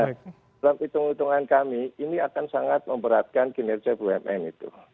dalam hitung hitungan kami ini akan sangat memberatkan kinerja bumn itu